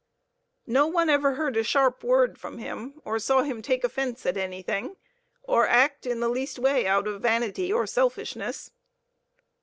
No one ever heard a sharp word from him, or saw him take offense at anything, or act in the least way out of vanity or selfishness.